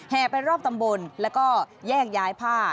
ไปรอบตำบลแล้วก็แยกย้ายผ้า